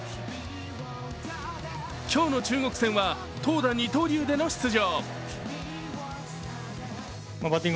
今日の中国戦は投打二刀流での出場。